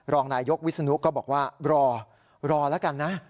รองนายยกวิศนุก็บอกว่ารอรอแล้วกันนะ